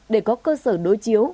để có cơ sở đối chiếu